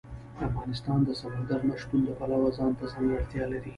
افغانستان د سمندر نه شتون د پلوه ځانته ځانګړتیا لري.